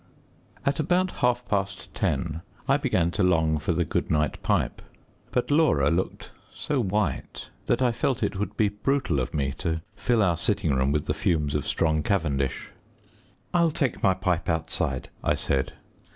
At about half past ten I began to long for the good night pipe, but Laura looked so white that I felt it would be brutal of me to fill our sitting room with the fumes of strong cavendish. "I'll take my pipe outside," I said.